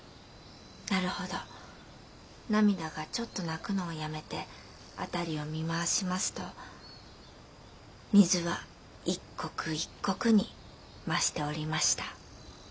なるほどナミダがちょっと泣くのをやめて辺りを見回しますと水は一刻一刻に増しておりました。